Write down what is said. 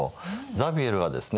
ザビエルはですね